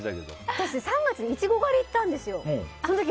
私、３月にイチゴ狩りに行ってるんですよ。